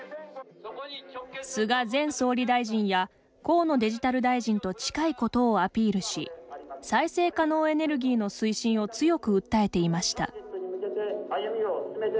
菅前総理大臣や河野デジタル大臣と近いことをアピールし再生可能エネルギーの推進を強く訴えていました。